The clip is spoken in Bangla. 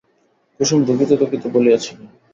কুসুম ধুঁকিতে ধুঁকিতে বলিয়াছিল।